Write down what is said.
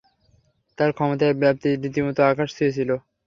তার ক্ষমতার ব্যাপ্তি রীতিমত আকাশ ছুঁয়েছিল!